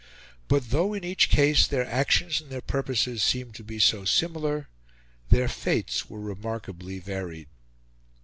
But, though in each case their actions and their purposes seemed to be so similar, their fates were remarkably varied.